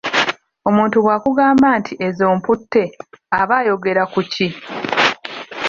Omuntu bw’akugamba nti ezo mputte aba ayogera ku ki?